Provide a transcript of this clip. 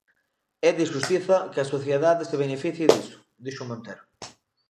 "É de xustiza que a sociedade se beneficie diso", dixo Montero.